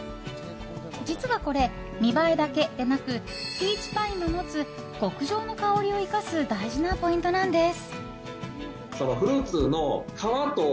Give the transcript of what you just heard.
実はこれ、見栄えだけでなくピーチパインの持つ極上の香りを生かす大事なポイントなんです。